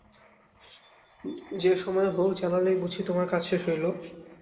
যে সময়ে হউক জানাইলেই বুঝি তােমার কাজ শেষ হইল?